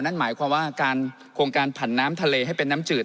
นั่นหมายความว่าการโครงการผันน้ำทะเลให้เป็นน้ำจืด